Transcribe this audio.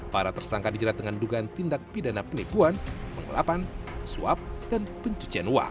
para tersangka dijerat dengan dugaan tindak pidana penipuan pengelapan suap dan pencucian uang